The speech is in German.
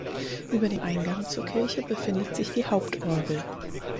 Über dem Eingang zur Kirche befindet sich die Hauptorgel.